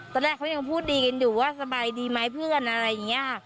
ตอนแรกเขายังพูดดีกันอยู่ว่าสบายดีไหมเพื่อนอะไรอย่างนี้ค่ะ